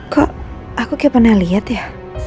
kok aku kayak pernah lihat ya